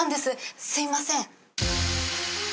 すいません。